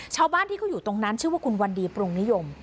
ชาวบ้านที่เขาอยู่ตรงนั้นชื่อว่าคุณวันดีปรุงนิยม